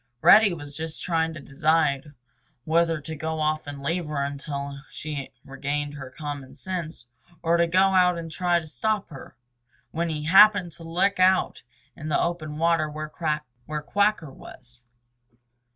Reddy was just trying to decide whether to go off and leave her until she had regained her common sense, or to go out and try to stop her, when he happened to look out in the open water where Quacker was.